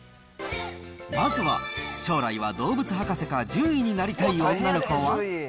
まずは、将来は動物博士か獣医になりたい女の子は。